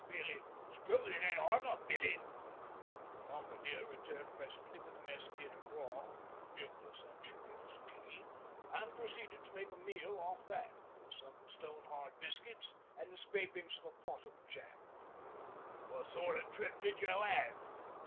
Billet! Strewth, it ain't 'arf a billet!' The Bombardier returned presently with a mess tin of 'raw' (milkless and sugarless) tea and proceeded to make a meal off that, some stone hard biscuits and the scrapings of a pot of jam. 'What sort o' trip did you 'ave?'